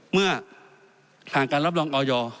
เมื่อผ่านการรับรองออย